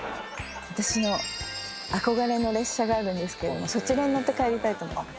私の憧れの列車があるんですけれどもそちらに乗って帰りたいと思います。